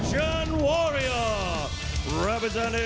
สวัสดีครับ